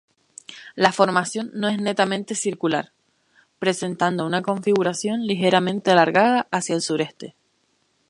La formación no es netamente circular, presentando una configuración ligeramente alargada hacia el sureste.